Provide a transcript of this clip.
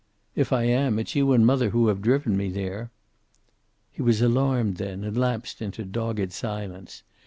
"If I am, it's you and mother who have driven me there." He was alarmed then, and lapsed into dogged silence.